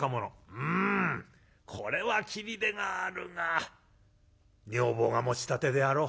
「うんこれは斬りでがあるが女房が持ちたてであろう。